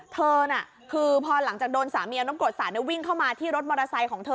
เธอน่ะคือพอหลังจากโดนสามีเอาน้ำกรดสาดวิ่งเข้ามาที่รถมอเตอร์ไซค์ของเธอ